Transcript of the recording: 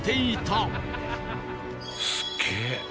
すっげえ！